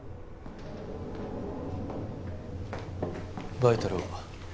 バイタルは？